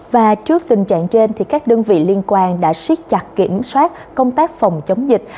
và trước tình trạng trên các đơn vị liên quan đã siết chặt kiểm soát công tác phòng chống dịch